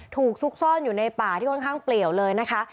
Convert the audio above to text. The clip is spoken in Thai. ซุกซ่อนอยู่ในป่าที่ค่อนข้างเปลี่ยวเลยนะคะ